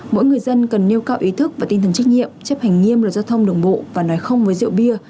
mỗi người dân cần nêu cao ý thức và tinh thần trách nhiệm chấp hành nghiêm luật giao thông đường bộ và nói không với rượu bia